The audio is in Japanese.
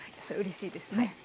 それうれしいですね。